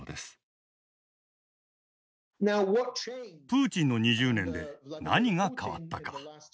プーチンの２０年で何が変わったか。